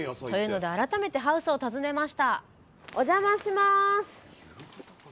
というので改めてハウスを訪ねましたお邪魔します。